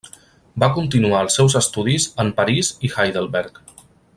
Va continuar els seus estudis en París i Heidelberg.